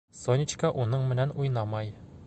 Сонечка уның менән уйнамай.